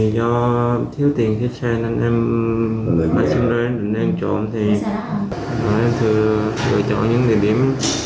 do thiếu tiền xe xe nên em